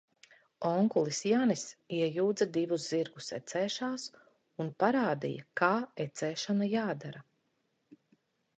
Onkulis Janis iejūdza divus zirgus ecēšās un parādīja, kā ecēšana jādara.